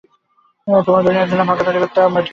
তোমার দুনিয়ার জন্য ভাগ্য তৈরি করতে আমরা টিকে আছি।